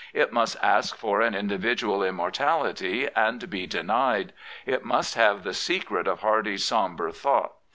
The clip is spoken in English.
It must ask fpr an individual immortality and be denied. It must have the secret of Hardy^s ^mbre thought.